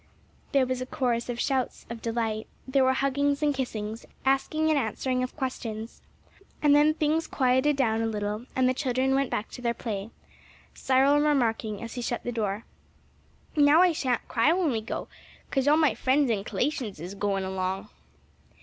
There was a chorus of shouts of delight; there were huggings and kissings, asking and answering of questions; and then things quieted down a little and the children went back to their play, Cyril remarking, as he shut the door, "Now I shan't cry when we go; 'cause all my friends and colations is goin' along."